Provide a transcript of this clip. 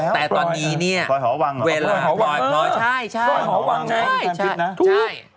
แต่ตอนนี้เวลาพลอยพลอย